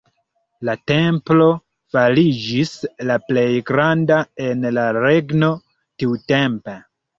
La templo fariĝis la plej granda en la regno tiutempe.